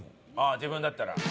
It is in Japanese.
自分だったら。